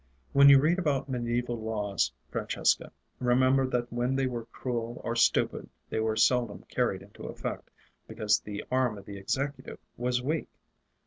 When you read about mediaeval laws, Francesca, remember that when they were cruel or stupid they were seldom carried into effect, because the arm of the executive was weak.